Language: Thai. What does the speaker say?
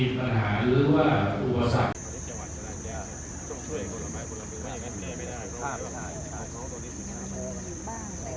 ผมให้ความคัดหวังได้อย่างนั้นนะครับ